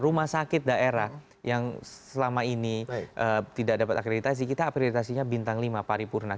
rumah sakit daerah yang selama ini tidak dapat akreditasi kita akreditasinya bintang lima paripurna